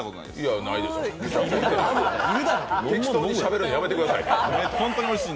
適当にしゃべるのやめてください。